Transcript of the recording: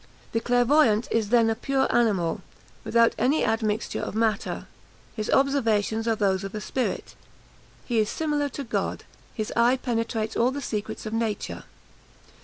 The clairvoyant is then a pure animal, without any admixture of matter. His observations are those of a spirit. He is similar to God: his eye penetrates all the secrets of nature.